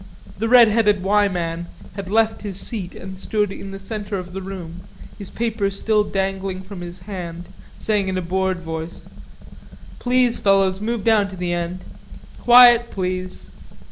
The red headed "Y" man had left his seat and stood in the center of the room, his paper still dangling from his hand, saying in a bored voice: "Please fellows, move down to the end.... Quiet, please....